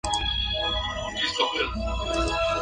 No obstante, el monstruo se libra de sus cadenas y logra huir.